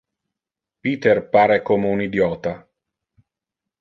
Peter pare como un idiota.